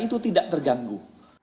itu tidak terganggu